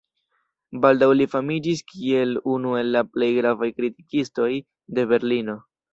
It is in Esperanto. Baldaŭ li famiĝis kiel unu el la plej gravaj kritikistoj de Berlino.